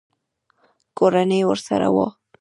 کورنۍ ورسره وه.